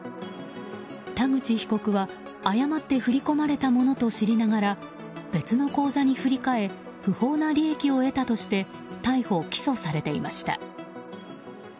田口被告は、誤って振り込まれたものと知りながら別の口座に振り替え不法な利益を得たとして逮捕・起訴されていました。